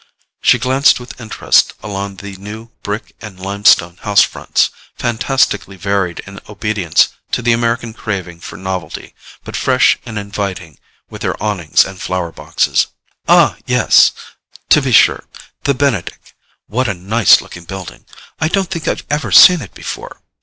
She glanced with interest along the new brick and limestone house fronts, fantastically varied in obedience to the American craving for novelty, but fresh and inviting with their awnings and flower boxes. "Ah, yes—to be sure: THE BENEDICK. What a nice looking building! I don't think I've ever seen it before."